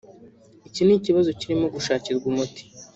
Iki ni ikibazo kirimo gushakirwa umuti